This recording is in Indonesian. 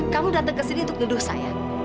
kamu datang kesini untuk duduk saya